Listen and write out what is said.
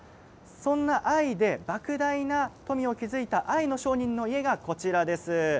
そんな藍で、ばく大な富を築いた藍の商人の家が、こちらです。